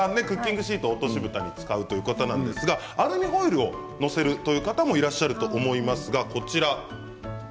クッキングシートを落としぶたに使うということですがアルミホイルを載せるという方もいらっしゃると思います。